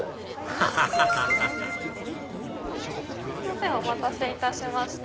ハハハハハお待たせいたしました。